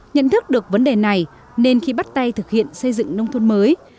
nhận thức được vấn đề này nên khi bắt tay thực hiện xây dựng nông thôn mới